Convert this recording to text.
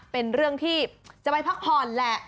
เป็นเรื่องที่จะไปพักผ่อนแหละ